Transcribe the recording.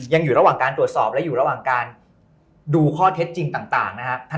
ยังอยู่ระหว่างการตรวจสอบและอยู่ระหว่างการดูข้อเท็จจริงต่างนะฮะ